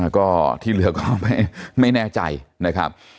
ก็ที่เหลือก็ไม่แน่ใจนะครับ